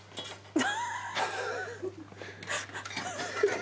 あ！